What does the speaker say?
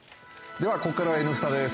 では、ここからは「Ｎスタ」です。